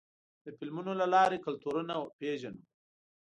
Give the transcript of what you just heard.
د فلمونو له لارې کلتورونه پېژنو.